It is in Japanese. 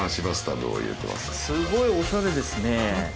すごいおしゃれですね。